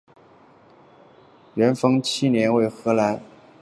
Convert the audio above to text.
元丰七年为河南府法曹参军。